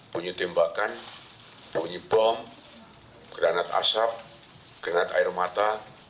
punya tembakan punya bom granat asap granat air mata